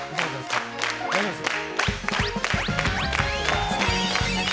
大丈夫ですか？